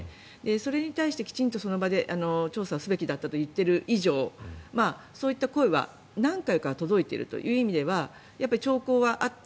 それに対してきちんとその場で調査をすべきだったと言っている以上そういった声は何回かは届いているという意味では兆候はあった。